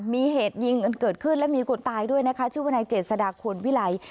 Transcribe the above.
มีเหตุยิงกันเกิดขึ้นและมีคนตายด้วยนะคะชื่อวนายเจษฎาควรวิไล